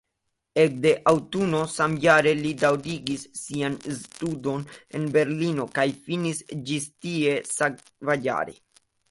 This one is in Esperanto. Ekde aŭtuno samjare li daŭrigis sian studon en Berlino kaj finis ĝis tie sekvajare.